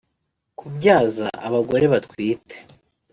kubyaza abagore batwite